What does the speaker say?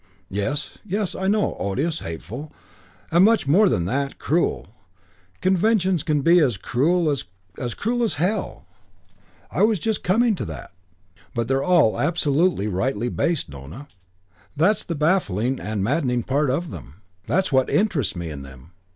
"Yes, yes, I know, odious, hateful, and much more than that, cruel conventions can be as cruel, as cruel as hell. I was just coming to that. But they're all absolutely rightly based, Nona. That's the baffling and the maddening part of them. That's what interests me in them.